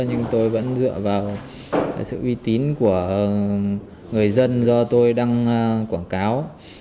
nhưng tôi vẫn dựa vào sự uy tín của người dân do tôi đăng quảng cáo